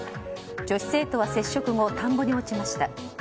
女子生徒は接触後田んぼに落ちました。